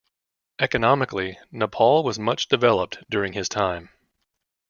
Economically, Nepal was much developed during his time.